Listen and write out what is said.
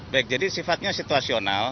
baik jadi sifatnya situasional